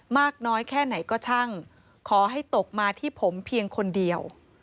มากน้อยแค่ไหนก็ช่างขอให้ตกมาที่ผมเพียงคนเดียว